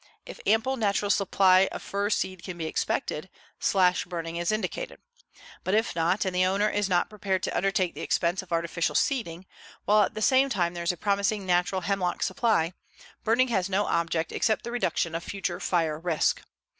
If ample natural supply of fir seed can be expected, slash burning is indicated. But if not and the owner is not prepared to undertake the expense of artificial seeding, while at the same time there is a promising natural hemlock supply, burning has no object except the reduction of future fire risk.